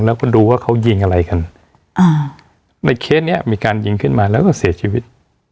แล้วคุณดูว่าเขายิงอะไรกันอ่าในเคสเนี้ยมีการยิงขึ้นมาแล้วก็เสียชีวิต